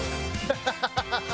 ハハハハ！